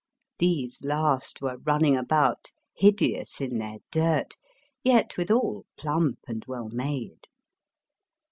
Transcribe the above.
These last were running about, hideous in their dirt, yet withal plump and well made.